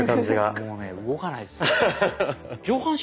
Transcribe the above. もうね動かないですよ。